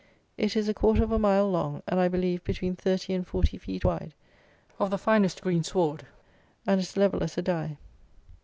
It is a quarter of a mile long, and, I believe, between thirty and forty feet wide; of the finest green sward, and as level as a die.